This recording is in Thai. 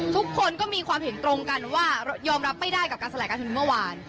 ทุกคนก็มีความเห็นตรงกันว่ายอมรับไม่ได้กับการสลายการชุมนุมเมื่อวาน